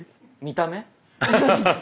見た目。